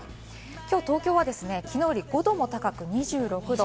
今日の東京は昨日より５度も高く、２６度。